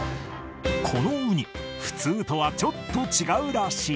このウニ、普通とはちょっと違うらしい。